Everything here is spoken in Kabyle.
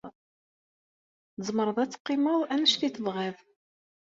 Tzemreḍ ad teqqimeḍ anect i tebɣiḍ.